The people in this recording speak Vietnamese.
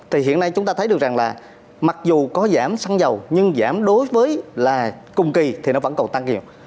thì hiện nay chúng ta thấy được rằng là mặc dù có giảm xăng dầu nhưng giảm đối với là cùng kỳ thì nó vẫn còn tăng nhiều